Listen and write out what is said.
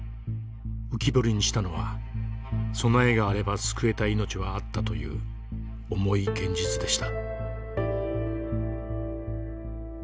浮き彫りにしたのは備えがあれば救えた命はあったという重い現実でした。